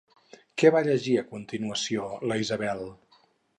Què va llegir, a continuació, la Isabel?